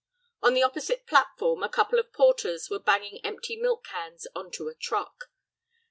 On the opposite platform a couple of porters were banging empty milk cans on to a truck.